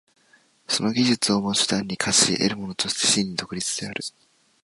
その技術をも手段に化し得るものとして真に独立である。